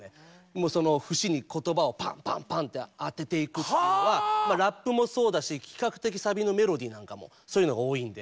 もうその節に言葉をパンパンパンって当てていくっていうのはラップもそうだし比較的サビのメロディーなんかもそういうのが多いんで。